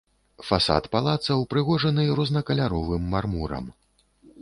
Фасад палаца ўпрыгожаны рознакаляровым мармурам.